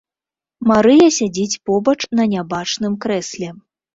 Марыя сядзіць побач на нябачным крэсле.